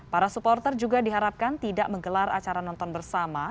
para supporter juga diharapkan tidak menggelar acara nonton bersama